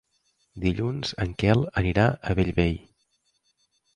Dilluns en Quel anirà a Bellvei.